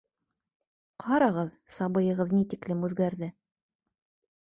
Ҡарағыҙ, сабыйығыҙ ни тиклем үҙгәрҙе.